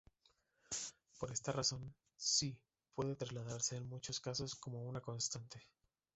Por esta razón, "c" puede tratarse en muchos casos como una constante.